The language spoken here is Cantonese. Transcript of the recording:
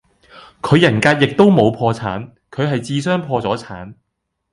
佢人格亦都冇破產，佢系智商破咗產